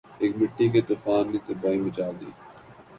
ایک مٹی کے طوفان نے تباہی مچا دی